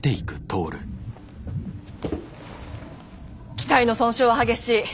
機体の損傷は激しい！